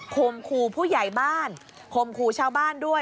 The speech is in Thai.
คมครูผู้ใหญ่บ้านคมครูชาวบ้านด้วย